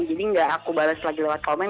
jadi gak aku bales lagi lewat komen